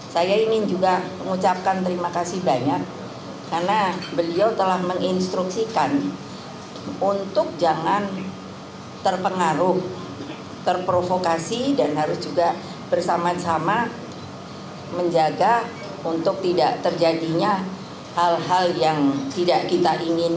saya ingin juga mengucapkan terima kasih banyak karena beliau telah menginstruksikan untuk jangan terpengaruh terprovokasi dan harus juga bersama sama menjaga untuk tidak terjadinya hal hal yang tidak kita ingin